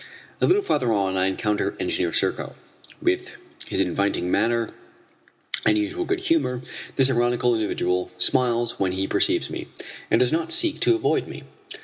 A little farther on I encounter Engineer Serko. With his inviting manner and usual good humor this ironical individual smiles when he perceives me, and does not seek to avoid me.